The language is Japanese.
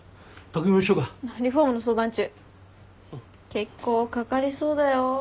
結構かかりそうだよ。